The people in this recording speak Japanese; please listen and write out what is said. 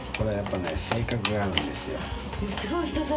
性格があるんですよ。